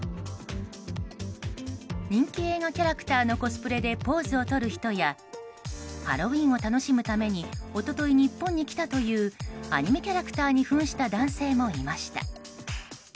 人気映画キャラクターのコスプレで、ポーズをとる人やハロウィーンを楽しむために一昨日、日本に来たというアニメキャラクターに扮した男性もいました。